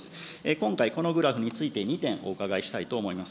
今回、このグラフについて、２点、お伺いしたいと思います。